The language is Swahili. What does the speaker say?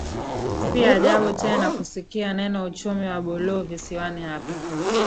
Si ajabu tena kusikia neno Uchumi wa Buluu visiwani hapa